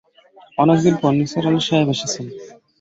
অনেকদিন পর নিসার আলি সাহেব এসেছেন।